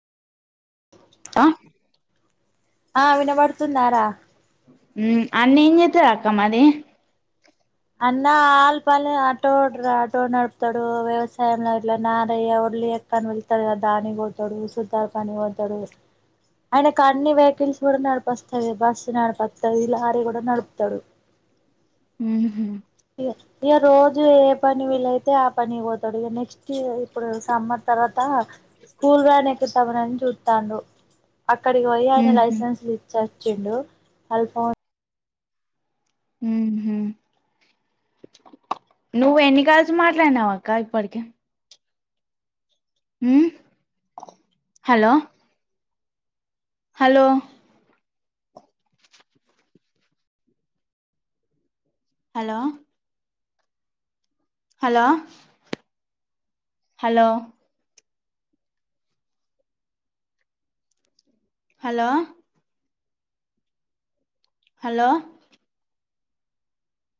ఆ ఆ వినబడుతున్నారా అన్ని అంజిస్తారు అక్క మరి అన్న ఆలపలి ఆటో ఆటో నడుపుతాడు వ్యవసాయంలో ఇట్లా నారయ్య ఒడ్లి ఎక్కని వెళ్తాడు కదా దానికి పోతాడు సుతార్ పని పోతాడు ఆయన అన్ని వెహికల్స్ కూడా నడిపస్తాది బస్సు నడిపస్తాది లారీ కూడా నడుపుతాడు హ ఇక ఇక రోజు ఏ పని వీలైతే ఆ పని పోతాడు ఇక నెక్స్ట్ ఇప్పుడు సమ్మర్ తర్వాత స్కూల్ వంట ఎక్కిటన్ తాండుడు అక్కడికి పోయి ఆయన ఉహు లైసెన్స్ లు ఇచ్చారు చెెండు అల్ప హ హ నువ్వు ఎన్నికల్సి మాట్లాడినావ అక్క ఇప్పటిక మ్ hello hello hello hello hello hello hello